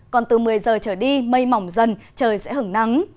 còn từ một mươi giờ trở đi mây mỏng dần trời sẽ hứng nắng